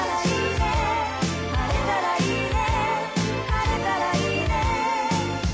「晴れたらいいね」